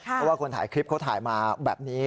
เพราะว่าคนถ่ายคลิปเขาถ่ายมาแบบนี้